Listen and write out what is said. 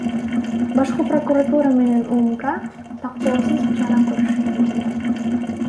Башкы прокуратура менен УКМК токтоосуз чара көрүшү керек эле.